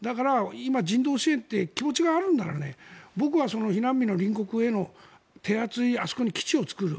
人道支援という気持ちがあるなら僕は避難民の隣国への手厚いあそこに基地を作る。